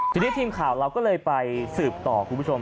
ทีนี้ทีมข่าวเราก็เลยไปสืบต่อคุณผู้ชม